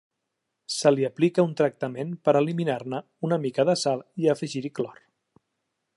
Se li aplica un tractament per eliminar-ne una mica de sal i afegir-hi clor.